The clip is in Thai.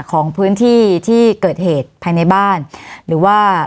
วันนี้แม่ช่วยเงินมากกว่า